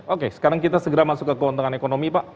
oke sekarang kita segera masuk ke keuntungan ekonomi pak